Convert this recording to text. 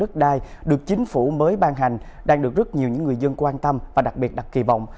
đất đai được chính phủ mới ban hành đang được rất nhiều những người dân quan tâm và đặc biệt đặt kỳ vọng